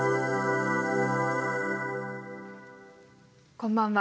こんばんは。